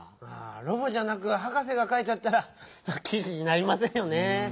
ああロボじゃなくハカセがかいちゃったらきじになりませんよねぇ。